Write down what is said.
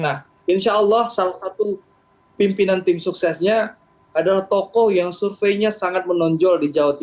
nah insya allah salah satu pimpinan tim suksesnya adalah tokoh yang surveinya sangat menonjol di jawa timur